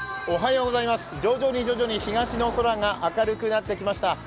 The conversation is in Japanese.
おはようございます、徐々に徐々に東の空が明るくなってきました。